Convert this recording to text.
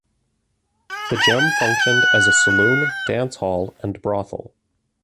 The Gem functioned as a saloon, dance hall and brothel.